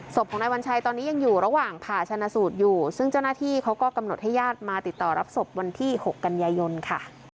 ศพของนายวัญชัยตอนนี้ยังอยู่ระหว่างผ่าชนะสูตรอยู่ซึ่งเจ้าหน้าที่เขาก็กำหนดให้ญาติมาติดต่อรับศพวันที่๖กันยายนค่ะ